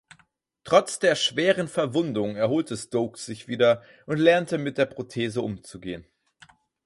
Trotz der schweren Verwundung erholte Stokes sich wieder und lernte mit der Prothese umzugehen.